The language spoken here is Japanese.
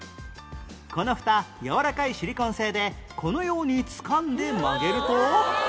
このフタやわらかいシリコン製でこのようにつかんで曲げると